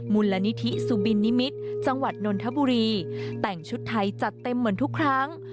มูลนิธิสุบินนิมิตรจังหวัดนนทบุรีแต่งชุดไทยจัดเต็มเหมือนทุกครั้ง